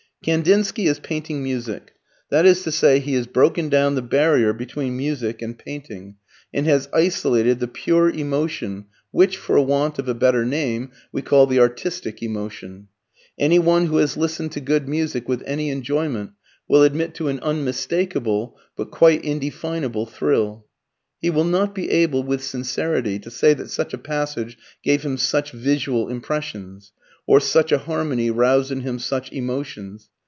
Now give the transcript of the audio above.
Kandinsky is painting music. That is to say, he has broken down the barrier between music and painting, and has isolated the pure emotion which, for want of a better name, we call the artistic emotion. Anyone who has listened to good music with any enjoyment will admit to an unmistakable but quite indefinable thrill. He will not be able, with sincerity, to say that such a passage gave him such visual impressions, or such a harmony roused in him such emotions.